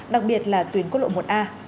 đặc biệt là tuyến quốc lộ một a